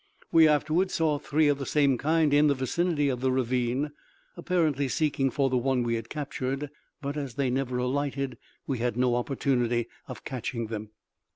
We afterward saw three of the same kind in the vicinity of the ravine, apparently seeking for the one we had captured; but, as they never alighted, we had no opportunity of catching them.